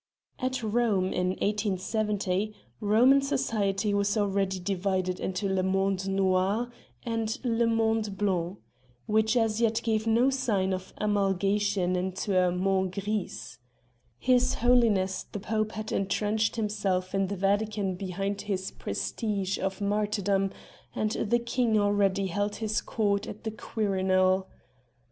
At Rome in 1870. Roman society was already divided into "Le Monde noir" and "Le Monde blanc" which as yet gave no sign of amalgamation into a "Monde gris." His Holiness the Pope had entrenched himself in the Vatican behind his prestige of martyrdom; and the King already held his court at the Quirinal.